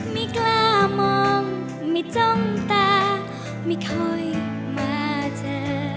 ไม่กล้ามองไม่จ้องตาไม่ค่อยมาเจอ